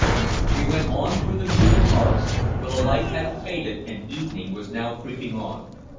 We went on through the gloomy forest, for the light had faded and evening was now creeping on.